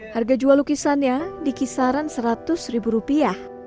harga jual lukisannya dikisaran seratus ribu rupiah